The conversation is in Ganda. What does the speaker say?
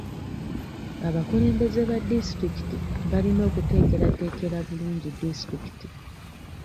Abakulembeze ba disitulikiti balina okuteekerateekera bulungi disitulikiti.